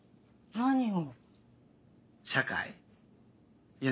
何を？